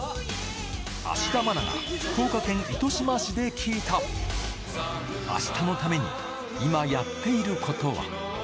芦田愛菜が福島県糸島市で聞いた、明日のために今やっていることは？